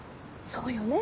そうよね。